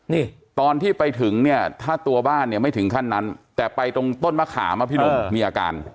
นี่ตอนที่ไปถึงเนี่ยถ้าตัวบ้านเนี่ยไม่ถึงขั้นนั้นแต่ไปตรงต้นมะขามอ่ะพี่หนุ่มมีอาการ